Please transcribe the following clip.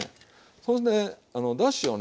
それでだしをね